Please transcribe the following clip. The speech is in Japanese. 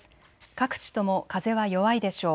各地とも風は弱いでしょう。